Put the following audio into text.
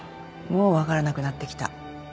もう分からなくなってきた。